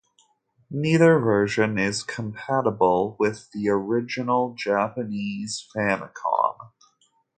Neither version is compatible with the original Japanese Famicom.